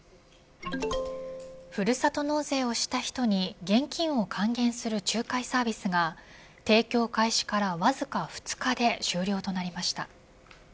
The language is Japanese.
ふるさと納税をした人に現金を還元する仲介サービスが提供開始からわずか２日で終了となりました。